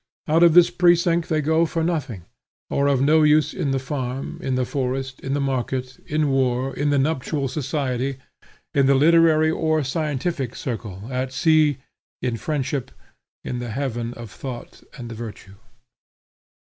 Out of this precinct they go for nothing; are of no use in the farm, in the forest, in the market, in war, in the nuptial society, in the literary or scientific circle, at sea, in friendship, in the heaven of thought or virtue.